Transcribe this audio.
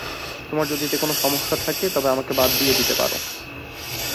তোমার যদি এতে কোনো সমস্যা থাকে, তবে আমাকে বাদ দিয়ে দিতে পারো।